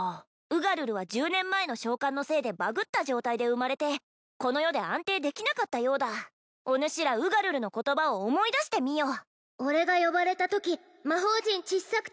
ウガルルは１０年前の召喚のせいでバグった状態で生まれてこの世で安定できなかったようだおぬしらウガルルの言葉を思い出してみよ俺が呼ばれたとき魔方陣ちっさくて